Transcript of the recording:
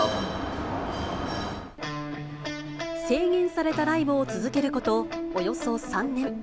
制限されたライブを続けることおよそ３年。